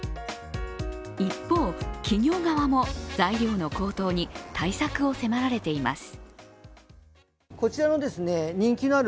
一方、企業側も材料の高騰に対策を迫られています。